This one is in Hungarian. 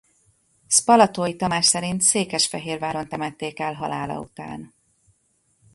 Spalatói Tamás szerint Székesfehérváron temették el halála után.